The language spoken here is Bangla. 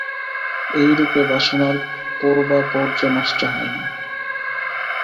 এইরূপে বাসনার পৌর্বাপর্য নষ্ট হয় না।